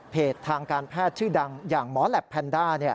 ทางการแพทย์ชื่อดังอย่างหมอแหลปแพนด้า